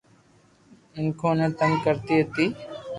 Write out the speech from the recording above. مينکون ني تنگ ڪرتي ھتي